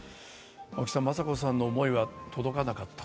雅子さんの思いは届かなかった。